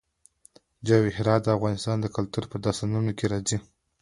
جواهرات د افغان کلتور په داستانونو کې راځي.